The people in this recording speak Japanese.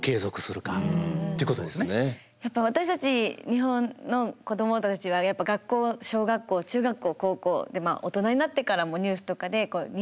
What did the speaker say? やっぱ私たち日本の子供たちは学校小学校中学校高校でまあ大人になってからもニュースとかで日本っていう国は地震があるよ